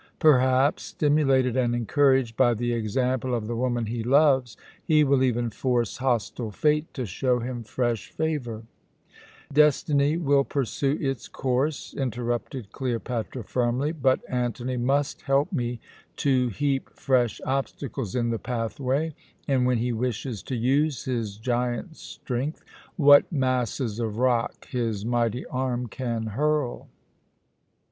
Perhaps, stimulated and encouraged by the example of the woman he loves, he will even force hostile Fate to show him fresh favour." "Destiny will pursue its course," interrupted Cleopatra firmly. "But Antony must help me to heap fresh obstacles in the pathway, and when he wishes to use his giant strength, what masses of rock his mighty arm can hurl!"